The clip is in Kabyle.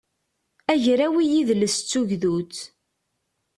agraw i yidles d tugdut